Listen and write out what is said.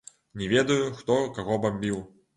Не ведаю, хто каго бамбіў.